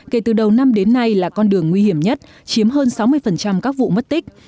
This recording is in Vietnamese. kể từ đầu năm đến nay là con đường nguy hiểm nhất chiếm hơn sáu mươi các vụ mất tích